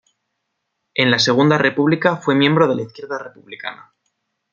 En la Segunda república fue miembro de la Izquierda Republicana.